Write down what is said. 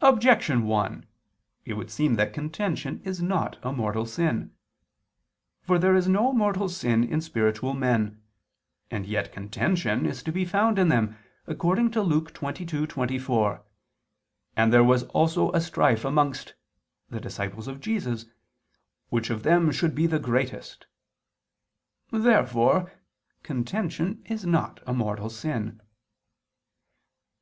Objection 1: It would seem that contention is not a mortal sin. For there is no mortal sin in spiritual men: and yet contention is to be found in them, according to Luke 22:24: "And there was also a strife amongst" the disciples of Jesus, "which of them should ... be the greatest." Therefore contention is not a mortal sin.